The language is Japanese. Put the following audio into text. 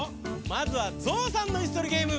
まずはゾウさんのいすとりゲーム。